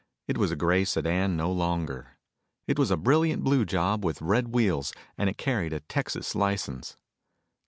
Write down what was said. It was a gray sedan no longer. It was a brilliant blue job with red wheels, and it carried a Texas license.